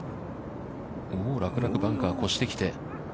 楽々バンカーを越してきて。